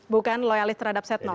bukan loyalis terhadap setnoff